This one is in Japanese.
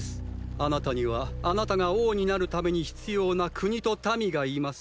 あなたにはあなたが王になるために必要な国と民がいます。